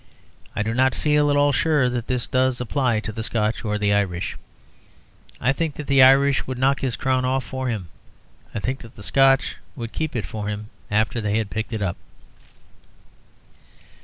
I do not feel at all sure that this does apply to the Scotch or the Irish. I think that the Irish would knock his crown off for him. I think that the Scotch would keep it for him after they had picked it up.